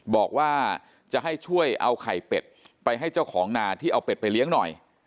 บอกว่าจะให้ช่วยเอาไข่เป็ดไปให้เจ้าของนาที่เอาเป็ดไปเลี้ยงหน่อย